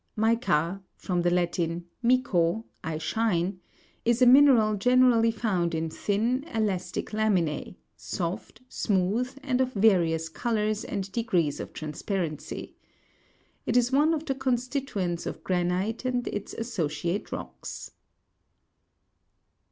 Mi'ca (from the Latin, mico, I shine), is a mineral generally found in thin, elastic laminae, soft, smooth, and of various colours and degrees of transparency. It is one of the constituents of granite and its associate rocks.